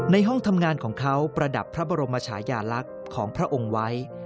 ห้องทำงานของเขาประดับพระบรมชายาลักษณ์ของพระองค์ไว้